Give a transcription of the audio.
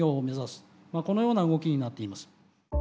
このような動きになっています。